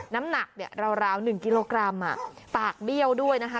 น้ำหนักเนี่ยราวหนึ่งกิโลกรัมอ่ะปากเบี้ยวด้วยนะคะ